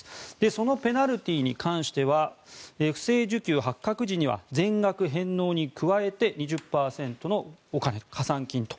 そのペナルティーに関しては不正受給発覚時には全額返納に加えて２０％のお金、加算金と。